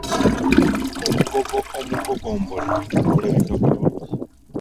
Omugogo omugogombole gulabika bulungi.